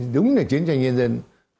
đúng là chiến trang nhân dân